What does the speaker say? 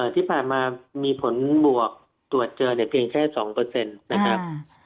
ที่ผ่านมามีผลบวกตรวจเจอเนี่ยเพียงแค่๒นะครับ